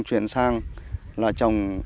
chuyển sang là trồng